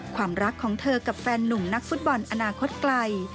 ความรักของเธอกับแฟนนุ่มนักฟุตบอลอนาคตไกล